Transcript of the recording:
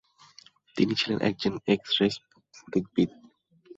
তিনি ছিলেন একজন এক্স-রে স্ফটিকবিদ।